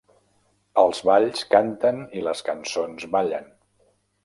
Els balls canten i les cançons ballen.